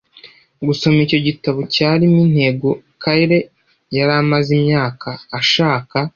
gusoma icyo gitabo cyarimo intego Kyle yari amaze imyaka ashaka